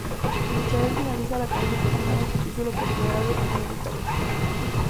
Michael finaliza la canción cantando su título por primera y única vez.